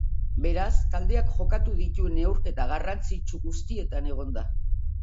Beraz, taldeak jokatu dituen neurketa garrantzitsu guztietan egon da.